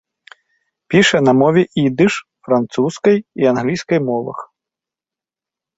Піша на мове ідыш, французскай і англійскай мовах.